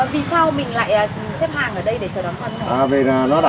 vì sao mình lại xếp hàng ở đây để chờ đón thật